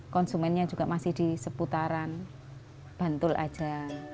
konsumennya juga masih di seputaran bantul aja